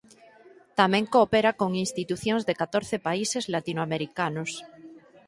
Tamén coopera con institucións de catorce países latinoamericanos.